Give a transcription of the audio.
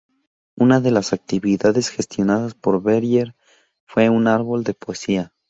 Una de las actividades gestionadas por Berger fue un árbol de poesía.